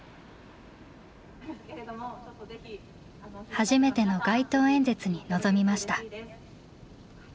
初めての街頭演説に臨みました。